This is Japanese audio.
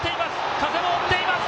風も追っています。